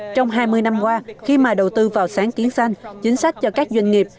trong hai mươi năm qua khi mà đầu tư vào sáng kiến xanh chính sách cho các doanh nghiệp